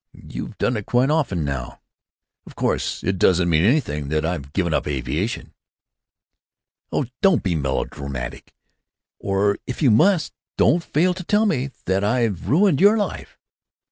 You've done it quite often now. Of course it doesn't mean anything that I've given up aviation." "Oh, don't be melodramatic. Or if you must be, don't fail to tell me that I've ruined your life."